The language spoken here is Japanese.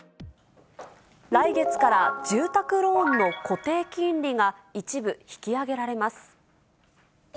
来月から、住宅ローンの固定金利が一部引き上げられます。